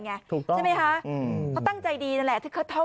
เค้าตั้งใจดีนั้นแหละ